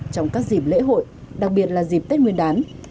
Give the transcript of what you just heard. trong các dịp lễ hội đặc biệt là dịp tết nguyên đán